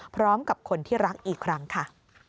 พร้อมกับคนที่รักอีกครั้งค่ะ